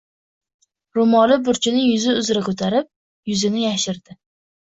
Ro‘moli burchini yuzi uzra ko‘tarib... yuzini yashirdi.